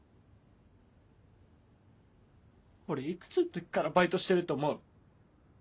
俺いくつん時からバイトしてると思う？